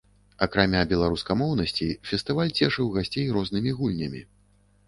Акрамя беларускамоўнасці, фестываль цешыў гасцей рознымі гульнямі.